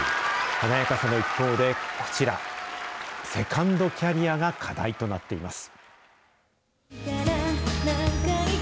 華やかさの一方で、こちら、セカンドキャリアが課題となっています。